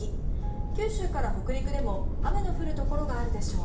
九州から北陸でも雨の降るところがあるでしょう。